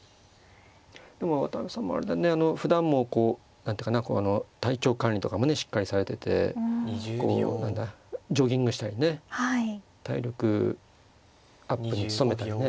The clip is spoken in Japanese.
でも渡辺さんもあれだねふだんもこう何ていうかな体調管理とかもねしっかりされててこう何だジョギングしたりね体力アップに努めたりね。